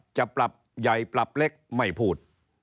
จะปรับใหญ่ปรับเล็กไม่พูด